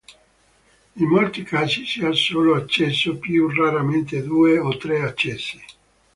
In molti casi si ha un solo accesso, più raramente due o tre accessi.